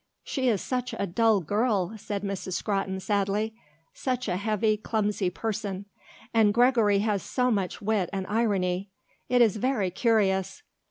She is such a dull girl," said Miss Scrotton sadly. "Such a heavy, clumsy person. And Gregory has so much wit and irony. It is very curious."